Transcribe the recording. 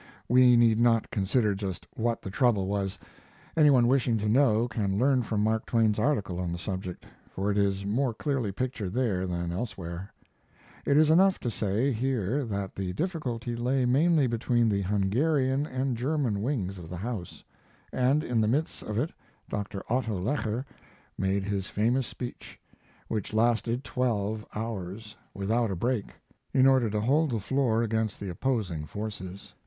We need not consider just what the trouble was. Any one wishing to know can learn from Mark Twain's article on the subject, for it is more clearly pictured there than elsewhere. It is enough to say here that the difficulty lay mainly between the Hungarian and German wings of the house; and in the midst of it Dr. Otto Lecher made his famous speech, which lasted twelve hours without a break, in order to hold the floor against the opposing forces.